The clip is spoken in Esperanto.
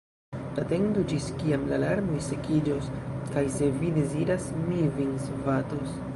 Atendu, ĝis kiam la larmoj sekiĝos, kaj, se vi deziras, mi vin svatos.